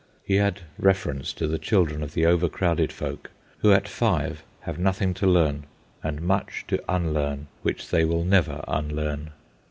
He had reference to the children of the overcrowded folk, who at five have nothing to learn and much to unlearn which they will never unlearn.